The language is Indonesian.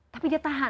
tapi dia tahan